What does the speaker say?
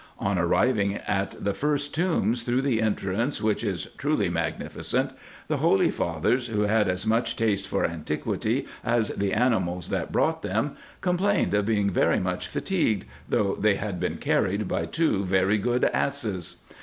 On arriving at the first tombs through the entrance, which is truly magnificent, the holy fathers, who had as much taste for antiquity as the animals that brought them, complained of being very much fatigued, though they had been carried by two very good asses.